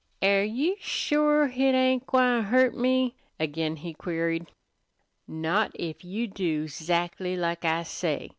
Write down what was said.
"Air you shore hit ain't gwine hurt me?" again he queried. "Not if you do 'zactly like I say.